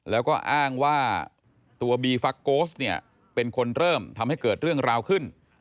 แล้วก็อ้างว่าตัวบีฟักโกสเนี่ยเป็นคนเริ่มทำให้เกิดเรื่องราวขึ้น